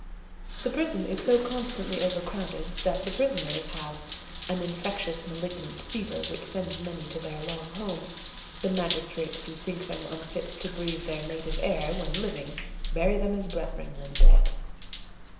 The prison is so constantly overcrowded that the prisoners have "an infectious malignant fever which sends many to their long home. The magistrates who think them unfit to breathe their native air when living bury them as brethren when dead."